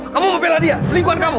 kamu mau bela dia selingkuhan kamu